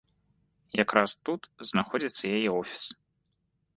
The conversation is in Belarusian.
Якраз тут знаходзіцца яе офіс.